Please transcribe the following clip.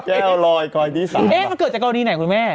แก่ลอย่างอีกแก่ลอย้คอยที่สามเอ๊ะมันเกิดจากโลดีไหมคุณแม่